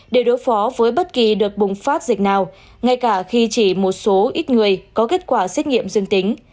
để đối phó với bất kỳ đợt bùng phát dịch nào ngay cả khi chỉ một số ít người có kết quả xét nghiệm dương tính